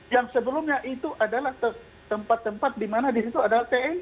yang sebelumnya itu adalah tempat tempat di mana di situ ada hotel